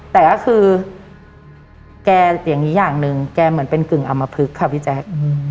แต่ก็คือแกอย่างนี้อย่างหนึ่งแกเหมือนเป็นกึ่งอำมพลึกค่ะพี่แจ๊ค